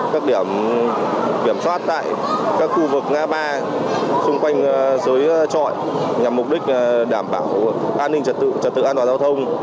các điểm kiểm soát tại các khu vực nga ba xung quanh dưới chọi nhằm mục đích đảm bảo an ninh trả tự an toàn giao thông